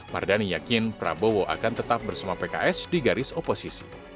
mardani yakin prabowo akan tetap bersama pks di garis oposisi